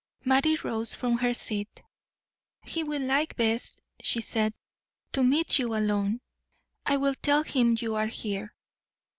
Mattie rose from her seat. "He will like best," she said, "to meet you alone. I will tell him your are here."